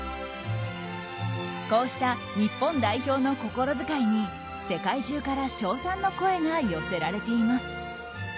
こうした日本代表の心遣いに世界中から称賛の声が寄せられています。